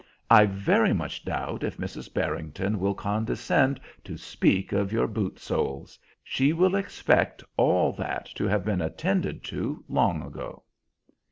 I very much doubt if Mrs. Barrington will condescend to speak of your boot soles. She will expect all that to have been attended to long ago."